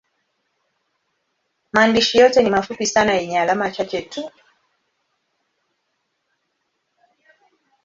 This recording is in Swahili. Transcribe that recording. Maandishi yote ni mafupi sana yenye alama chache tu.